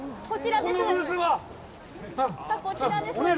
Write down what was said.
こちらです。